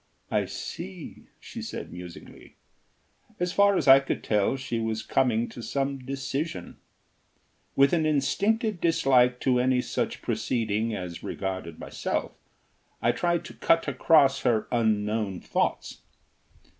"I see," she said, musingly. As far as I could tell she was coming to some decision. With an instinctive dislike to any such proceeding as regarded myself, I tried to cut across her unknown thoughts.